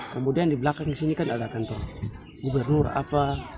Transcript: kemudian di belakang sini ada kantor gubernur apa